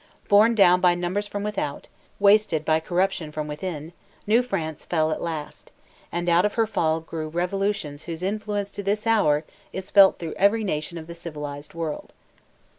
Borne down by numbers from without, wasted by corruption from within, New France fell at last; and out of her fall grew revolutions whose influence to this hour is felt through every nation of the civilized world.